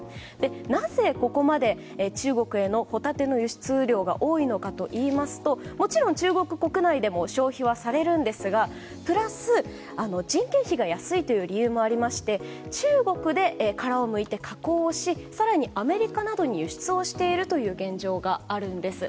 なぜ、ここまで中国へのホタテの輸出量が多いのかというともちろん、中国国内でも消費はされるんですがそれプラス人件費が安い理由もありまして中国で殻をむいて加工をし更にアメリカなどに輸出をしているという現状があるんです。